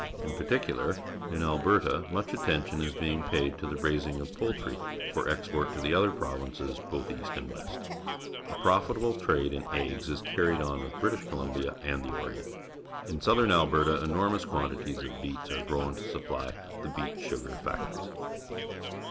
In particular, in Alberta much attention is being paid to the raising of jjoultry for export to the other provinces both east and west. A profitable trade in eggs is carried on with Briti.sh Columbia and the Orient. In south ern Alberta enormous quantities of beets are grown to supph' the beet sugar factories.